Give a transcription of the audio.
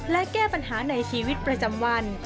และแก้ปัญหาในชีวิตประจำวัน